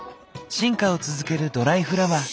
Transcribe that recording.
進化を続けるドライフラワー。